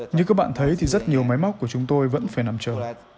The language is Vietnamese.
như các bạn thấy thì rất nhiều máy móc của chúng tôi vẫn phải nằm chờ